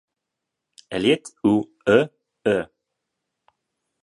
Eliot ou e.e.